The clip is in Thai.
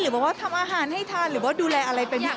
บอกว่าทำอาหารให้ทานหรือว่าดูแลอะไรเป็นอย่าง